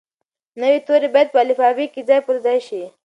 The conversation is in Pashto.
نوي توري باید په الفبې کې ځای پر ځای شي.